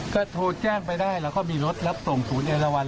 ก็โทรแจ้งไปได้แล้วก็มีรถรับส่งศูนย์เอราวัน